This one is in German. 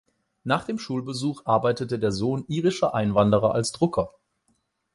Nach dem Schulbesuch arbeitete der Sohn irischer Einwanderer als Drucker.